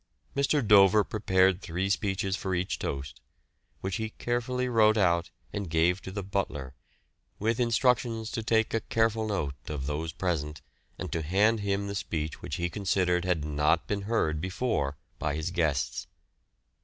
Mr. Dover prepared three speeches for each toast, which he carefully wrote out and gave to the butler, with instructions to take a careful note of those present, and to hand him the speech which he considered had not been heard before by his guests.